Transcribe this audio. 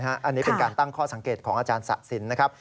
อันนี้เป็นการตั้งข้อสังเกตของอาจารย์ศักดิ์สินธรรม